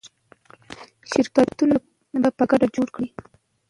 شرکتونه په ګډه جوړ کړئ.